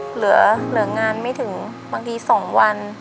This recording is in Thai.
เหลืองานไม่ถึงบางที๒วัน